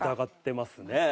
ますね。